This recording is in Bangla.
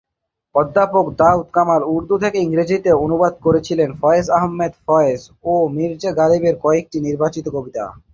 অধ্যাপক দাউদ কামাল উর্দু থেকে ইংরেজিতে অনুবাদ করেছিলেন ফয়েজ আহমেদ ফয়েজ ও মির্জা গালিবের কয়েকটি নির্বাচিত কবিতা।